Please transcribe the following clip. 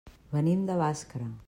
Venim de Bàscara.